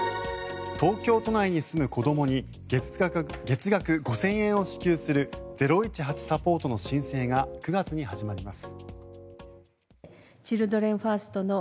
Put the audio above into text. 東京都内に住む子どもに月額５０００円を支給する０１８サポートの申請が９月に始まります。